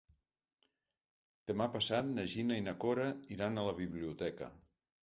Demà passat na Gina i na Cora iran a la biblioteca.